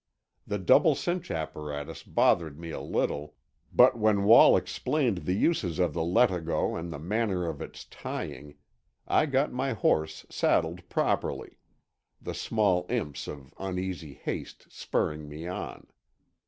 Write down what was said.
The double cinch apparatus bothered me a little, but when Wall explained the uses of the latigo and the manner of its tying, I got my horse saddled properly—the small imps of uneasy haste spurring me on.